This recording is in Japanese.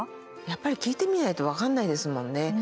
やっぱり聴いてみないと分かんないですものね。